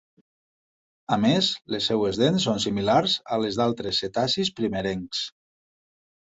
A més, les seves dents són similars a les d'altres cetacis primerencs.